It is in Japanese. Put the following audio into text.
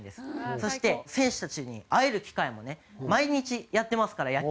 そして選手たちに会える機会もね毎日やってますから野球は。